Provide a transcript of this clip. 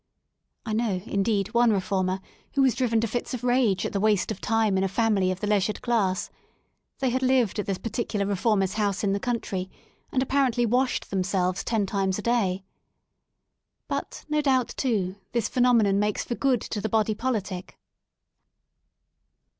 (I know, indeed, one re former who was driven to fits of rage at the waste of time in a family of the leisured class. They had lived at this particular reformer's house in the country, and apparently washed themselves ten times a day.) But no doubt, too, this phenomenon makes for good to the body politic.